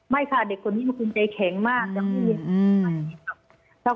ไม่ค่ะเด็กคนนี้มันคืนใจแข็งมาก